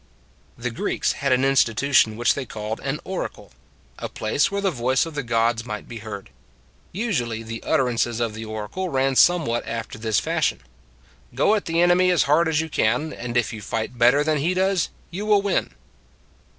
The Greeks had an institution which they called an oracle a place where the voice of the gods might be heard. Usu An Oracle 139 ally the utterances of the oracle ran some what after this fashion: "Go at the enemy as hard as you can, and if you fight better than he does, you will win."